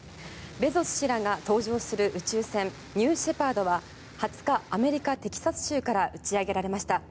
ベゾス氏らが搭乗する宇宙船ニューシェパードは２０日アメリカ・テキサス州から打ち上げられました。